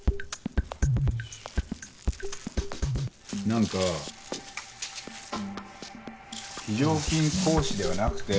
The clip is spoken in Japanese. なんか非常勤講師ではなくて。